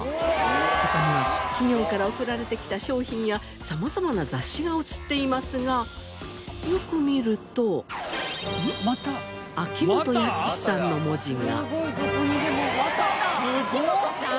そこには企業から送られてきた商品や様々な雑誌が映っていますがよく見ると秋元康さんの文字が。